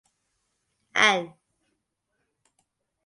Ann.